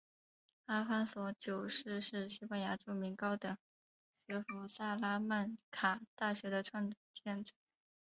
阿方索九世是西班牙著名高等学府萨拉曼卡大学的创建者。